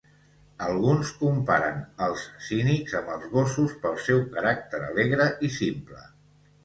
Alguns comparen als cínics amb els gossos pel seu caràcter alegre i simple.